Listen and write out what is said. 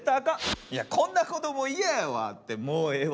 いやこんな子ども嫌やわってもうええわ。